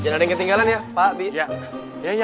jangan ketinggalan ya pak bia ya ya